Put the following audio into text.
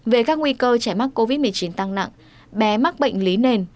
về các nguy cơ trẻ mắc covid một mươi chín tăng nặng bé mắc bệnh lý nền